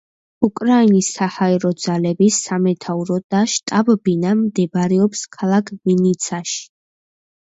უკრაინის საჰაერო ძალების სამეთაურო და შტაბ-ბინა მდებარეობს ქალაქ ვინიცაში.